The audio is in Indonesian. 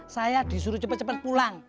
saya disuruh cepet cepet pulang